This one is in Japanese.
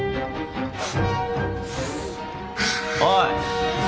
おい。